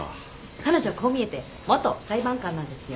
彼女こう見えて元裁判官なんですよ。